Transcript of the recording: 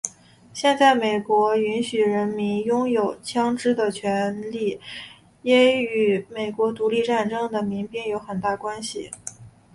现在美国允许人民拥有枪枝的权利也与美国独立战争的民兵有很大关联。